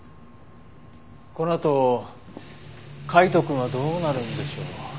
このあと海斗くんはどうなるんでしょう？